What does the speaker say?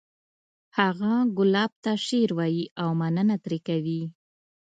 هغه ګلاب ته شعر وایی او مننه ترې کوي